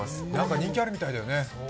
人気あるみたいだよね。